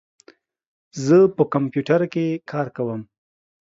زه په کمپیوټر کې کار کوم.